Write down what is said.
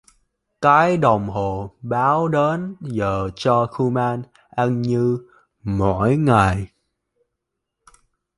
Cái đồng hồ báo đến giờ cho kuman ăn như mọi ngày